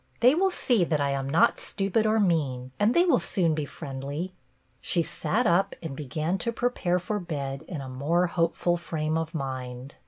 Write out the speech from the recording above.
They will see that I am not stupid or mean, and they will soon be friendly." She sat up and began to prepare for bed in a more hope ful frame of mind.